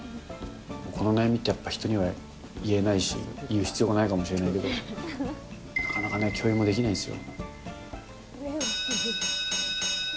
この悩みってやっぱ人には言えないし、言う必要はないかもしれないけど、なかなかね、共有もできないんですよ。